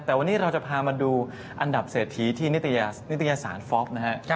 แต่วันนี้เราจะพามาดูอันดับเศรษฐีที่นิตยสารฟอล์กนะฮะ